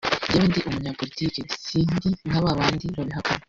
"Njyewe ndi umunyapolitiki si ndi nka ba bandi babihakana